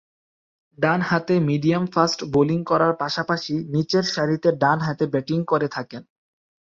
ডানহাতে medium fast bowling করার পাশাপাশি নিচেরসারিতে ডানহাতে ব্যাটিং করে থাকেন।